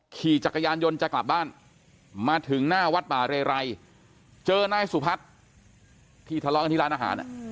ขี่จักรยานยนต์จะกลับบ้านมาถึงหน้าวัดป่าเรไรเจอนายสุพัฒน์ที่ทะเลาะกันที่ร้านอาหาร